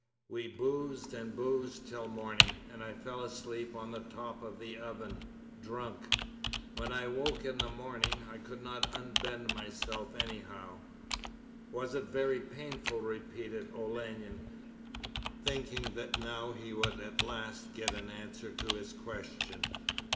We boozed and boozed till morning, and I fell asleep on the top of the oven, drunk. When I woke in the morning I could not unbend myself anyhow ' 'Was it very painful?' repeated Olenin, thinking that now he would at last get an answer to his question.